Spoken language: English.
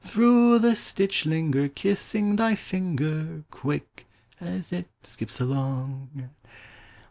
Through the stitch linger, Kissing thy finger, Quick, — as it skips along.